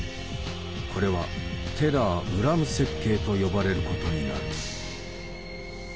これは「テラー・ウラム設計」と呼ばれることになる。